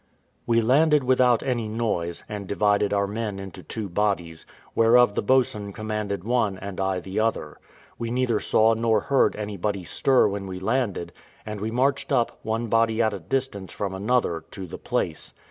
We landed without any noise, and divided our men into two bodies, whereof the boatswain commanded one and I the other. We neither saw nor heard anybody stir when we landed: and we marched up, one body at a distance from another, to the place.